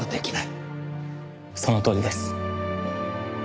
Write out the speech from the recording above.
そのとおりです。